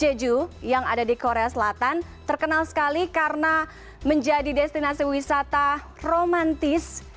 jadi jeju yang ada di korea selatan terkenal sekali karena menjadi destinasi wisata romantis